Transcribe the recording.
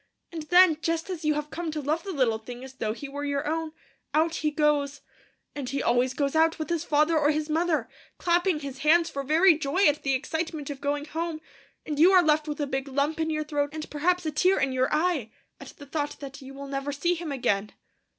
And then, just as you have come to love the little thing as though he were your own, out he goes. And he always goes out with his father or his mother, clapping his hands for very joy at the excitement of going home, and you are left with a big lump in your throat, and perhaps a tear in your eye, at the thought that you will never see him again!'